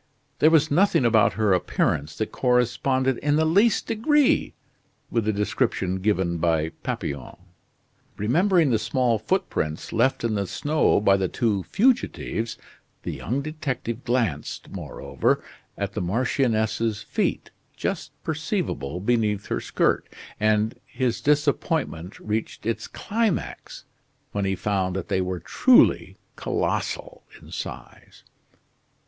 There was nothing about her appearance that corresponded in the least degree with the descriptions given by Papillon. Remembering the small footprints left in the snow by the two fugitives, the young detective glanced, moreover, at the marchioness's feet, just perceivable beneath her skirt, and his disappointment reached its climax when he found that they were truly colossal in size.